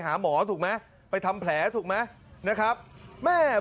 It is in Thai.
ผมก็เลยขึ้นไปเอาไหลต์ผมมา